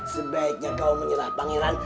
sebaiknya kau menyerah panggilan